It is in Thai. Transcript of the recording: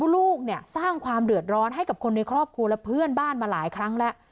ลูกเนี่ยสร้างความเดือดร้อนให้กับคนในครอบครัวและเพื่อนบ้านมาหลายครั้งแล้ว